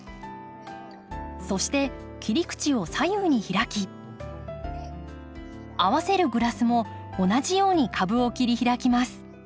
そして切り口を左右に開き合わせるグラスも同じように株を切り開きます。